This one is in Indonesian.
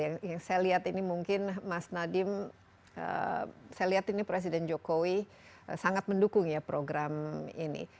yang saya lihat ini mungkin mas nadiem saya lihat ini presiden jokowi sangat mendukung ya program ini